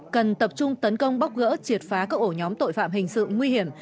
cần tập trung tấn công bóc gỡ triệt phá các ổ nhóm tội phạm hình sự nguy hiểm